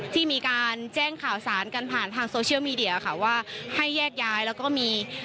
ที่มีการแจ้งข่าวสารกันผ่านทางโซเชียลมีเดียค่ะว่าให้แยกย้ายแล้วก็มี